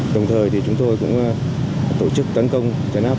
đồng thời chúng tôi cũng tổ chức tấn công chấn áp